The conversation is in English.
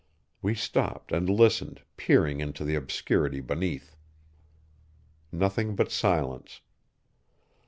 We stopped and listened, peering into the obscurity beneath. Nothing but silence.